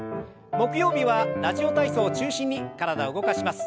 木曜日は「ラジオ体操」を中心に体を動かします。